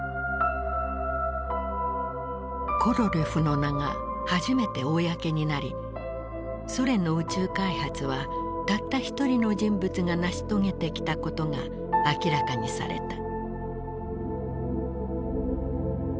コロリョフの名が初めて公になりソ連の宇宙開発はたった１人の人物が成し遂げてきたことが明らかにされた。